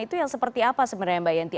itu yang seperti apa sebenarnya mbak yenti